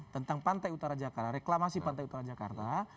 tentang pantai utara jakarta reklamasi pantai utara jakarta